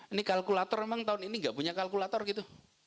ini kalkulator memang tahun ini gak punya kalkulator gitu